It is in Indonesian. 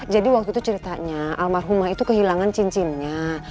jadi waktu itu ceritanya almarhumah itu kehilangan cincinnya